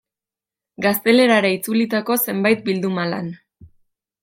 Gaztelerara itzulitako zenbait bilduma lan.